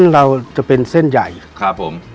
เราจะเป็นเส้นใหญ่ครับผม